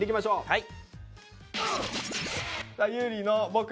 はい。